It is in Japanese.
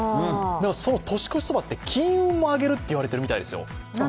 年越しそばって金運もあげるって言われてるみたいですよ。